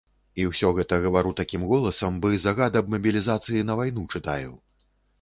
І ўсё гэта гавару такім голасам, бы загад аб мабілізацыі на вайну чытаю.